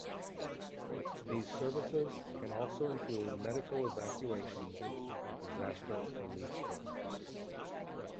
These services can also include medical evacuations and disaster relief work.